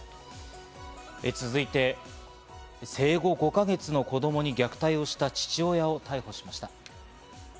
続いて、生後５か月の子供に虐待をした父親を逮捕しました。